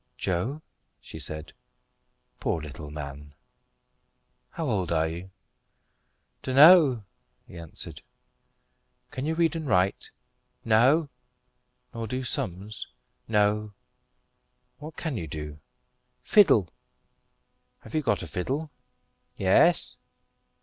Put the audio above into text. "Joe," she said, "poor little man, how old are you?" "Dun'now," he answered. "Can you read and write?" "No." "Nor do sums?" "No." "What can you do?" "Fiddle." "Have you got a fiddle?" "Yes."